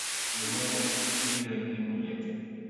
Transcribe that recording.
Jonyuol obiro limo jatuo